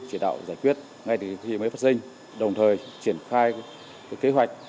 chỉ đạo giải quyết ngay từ khi mới phát sinh đồng thời triển khai kế hoạch